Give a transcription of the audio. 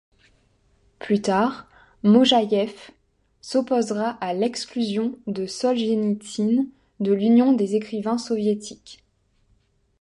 Plus tard, Mojaïev s'opposera à l'exclusion de Soljenitsyne de l'Union des écrivains soviétiques.